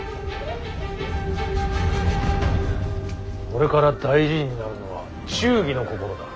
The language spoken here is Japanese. これから大事になるのは忠義の心だ。